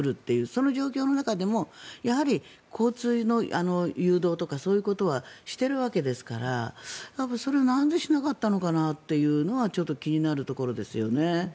その状況の中でもやはり交通の誘導とかそういうことはしているわけですからそれを、なんでしなかったのかなというのはちょっと気になるところですよね。